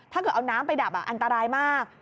ถ้าเกิดเอาน้ำไปดับอันตรายมาก